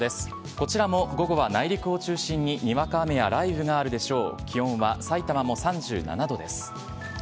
こちらも午後は内陸を中心ににわか雨や雷雨があるでしょう。